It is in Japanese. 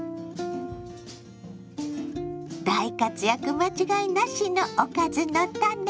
大活躍間違いなしの「おかずのタネ」。